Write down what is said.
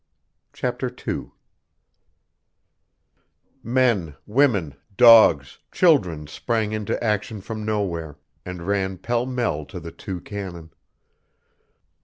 Chapter Two Men, women, dogs, children sprang into sight from nowhere, and ran pell mell to the two cannon.